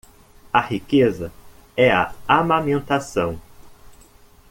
A riqueza é a amamentação